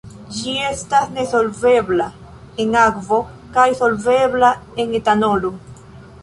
Ĝi estas nesolvebla en akvo kaj solvebla en etanolo.